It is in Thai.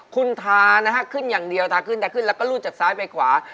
คุณทานะฮะขึ้นอย่างเดียวทาขึ้นทาขึ้นแล้วก็รูดจากซ้ายไปขวา